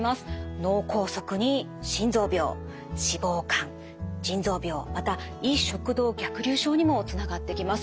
脳梗塞に心臓病脂肪肝腎臓病また胃食道逆流症にもつながってきます。